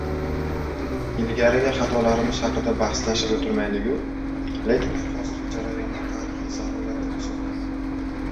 — Ilgarigi xatolarimiz haqida bahslashib o‘tirmayligu, lekin men hozirgi jarayonni tarixiy zarurat deb hisoblayman.